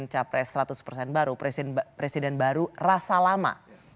karena pres seratus baru presiden baru rasa lama